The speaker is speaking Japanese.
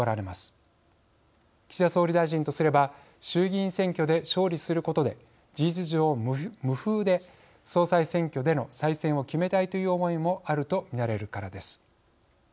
岸田総理大臣とすれば衆議院選挙で勝利することで事実上無風で総裁選挙での再選を決めたいという思いもあると見られるからです。